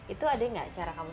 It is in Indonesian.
itu ada nggak cara kamu